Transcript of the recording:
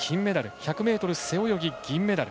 １００ｍ背泳ぎ、銀メダル。